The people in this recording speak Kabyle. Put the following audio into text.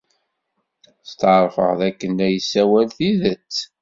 Steɛṛfeɣ dakken la yessawal tidet.